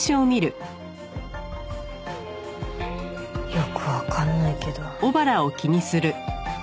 よくわかんないけど。